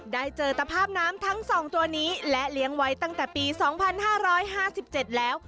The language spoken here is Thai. ได้เจอตภาพน้ำทั้ง๒ตัวนี้และเลี้ยงไว้ตั้งแต่ปี๒๕๕๗แล้ว